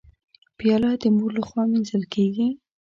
پیاله د مور لخوا مینځل کېږي.